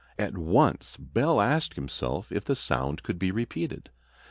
At once Bell asked himself if the sound could be repeated.